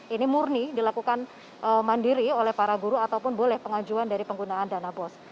ini murni dilakukan mandiri oleh para guru ataupun boleh pengajuan dari penggunaan dana bos